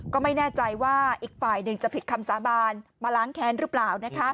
ก็ไม่แน่ใจว่าอีกฝ่ายหนึ่งจะผิดคำสาบานมาล้างแค้นหรือเปล่า